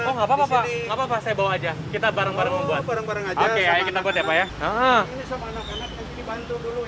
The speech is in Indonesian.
oke ayo kita buat ya pak